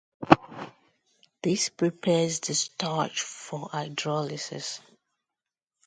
This prepares the starch for hydrolysis.